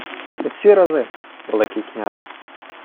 — Усі рази, Великий княже.